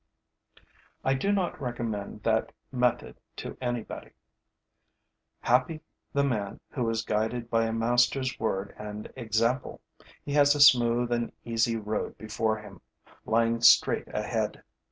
I do not recommend that method to anybody. Happy the man who is guided by a master's word and example! He has a smooth and easy road before him, lying straight ahead.